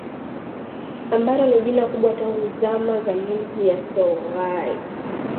ambalo ni jina kubwa tangu zama za milki ya Songhai